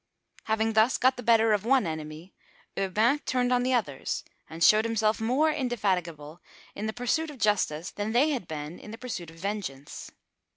Having thus got the better of one enemy, Urbain turned on the others, and showed himself more indefatigable in the pursuit of justice than they had been in the pursuit of vengeance.